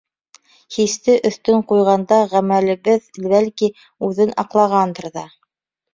Хисте өҫтөн ҡуйғанда, ғәмәлебеҙ, бәлки, үҙен аҡлағандыр ҙа.